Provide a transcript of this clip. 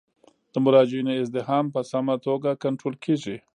د مراجعینو ازدحام په سمه توګه کنټرول کیږي.